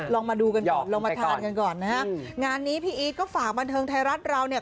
ลองมาดูกันก่อนลองมาทานกันก่อนนะฮะงานนี้พี่อีทก็ฝากบันเทิงไทยรัฐเราเนี่ย